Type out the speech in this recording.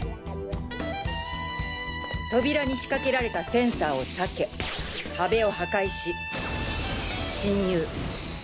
扉に仕掛けられたセンサーを避け壁を破壊し侵入。